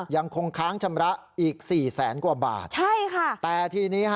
ยังคงค้างชำระอีกสี่แสนกว่าบาทใช่ค่ะแต่ทีนี้ฮะ